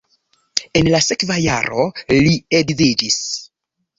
En la sekva jaro li edziĝis.